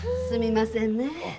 すみませんねぇ。